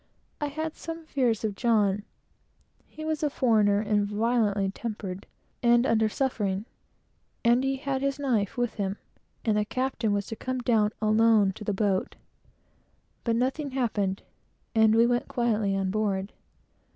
I had some fears of John. He was a foreigner, and violently tempered, and under suffering; and he had his knife with him, and the captain was to come down alone to the boat. But nothing happened; and we went quietly on board.